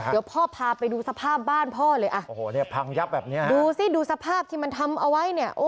เดี๋ยวพ่อพาไปดูสภาพบ้านพ่อเลยดูสภาพที่มันทำเอาไว้เนี่ย